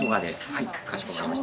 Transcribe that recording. はいかしこまりました。